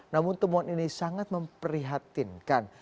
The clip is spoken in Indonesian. namun temuan ini sangat memprihatinkan